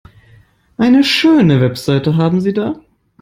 Eine schöne Website haben Sie da.